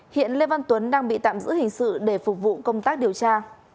hiện lê văn tuấn đang bị tạm giữ hình sự để phục vụ công tác điều tra